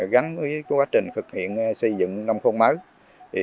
gắn với quá trình thực hiện xây dựng nông thôn mới